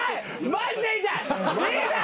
マジで痛い！